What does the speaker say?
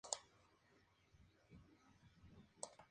Su nombre, Caballo Loco, le fue dado por soñar con un caballo salvaje.